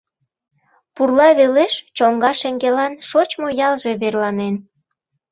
Пурла велеш, чоҥга шеҥгелан, шочмо ялже верланен.